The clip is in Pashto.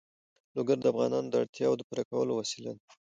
لوگر د افغانانو د اړتیاوو د پوره کولو وسیله ده.